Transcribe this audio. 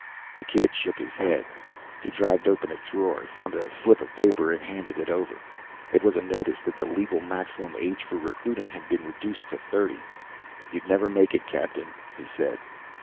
The kid shook his head. He dragged open a drawer, found a slip of paper, and handed it over. It was a notice that the legal maximum age for recruiting had been reduced to thirty! "You'd never make it, captain," he said.